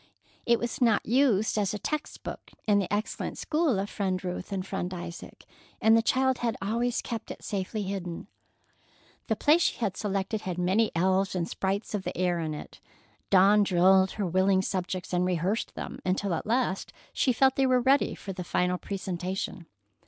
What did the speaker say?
It was not used as a text book in the excellent school of Friend Ruth and Friend Isaac, and the child had always kept it safely hidden. The play she had selected had many elves and sprites of the air in it. Dawn drilled her willing subjects, and rehearsed them, until at last she felt they were ready for the final presentation.